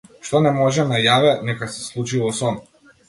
Што не може на јаве, нека се случи во сон.